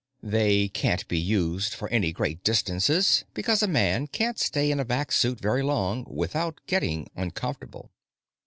They can't be used for any great distances because a man can't stay in a vac suit very long without getting uncomfortable.